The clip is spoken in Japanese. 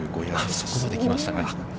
そこまで来ましたか。